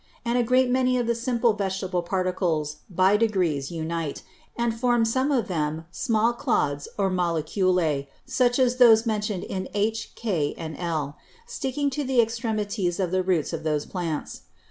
And a great many of the simple Vegetable Particles by degrees unite, and form some of them small Clods or Moleculæ; such as those mention'd in H, K, and L, sticking to the Extremities of the Roots of those Plants.